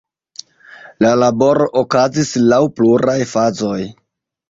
La laboro okazis laŭ pluraj fazoj.